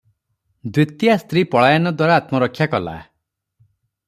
ଦ୍ୱିତୀୟା ସ୍ତ୍ରୀ ପଳାୟନ ଦ୍ୱାରା ଆତ୍ମରକ୍ଷା କଲା ।